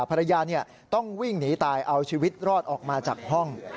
ภรรยาต้องวิ่งหนีตายเอาชีวิตรอดออกมาจากห้อง